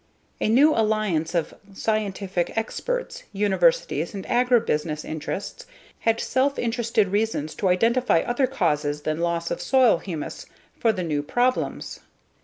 A new alliance of scientific experts, universities, and agribusiness interests had self interested reasons to identify other causes than loss of soil humus for the new problems.